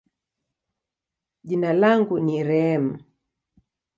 jina langu ni Reem.